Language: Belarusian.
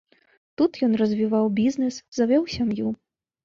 Тут ён развіваў бізнэс, завёў сям'ю.